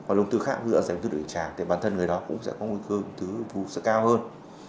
hoặc là ông thư khác có ưu tố đựng trả thì bản thân người đó cũng sẽ có ưu tố cao hơn